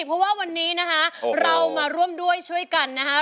เพราะว่าวันนี้นะคะเรามาร่วมด้วยช่วยกันนะคะ